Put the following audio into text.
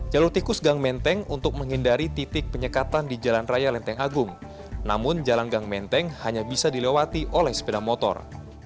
jalur tikus gang menteng untuk menghindari titik penyekatan di jalan raya lenteng agung namun jalan gang menteng hanya bisa dilewati oleh sepeda motor